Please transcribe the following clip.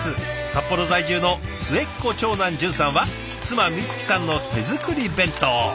札幌在住の末っ子長男淳さんは妻美月さんの手作り弁当。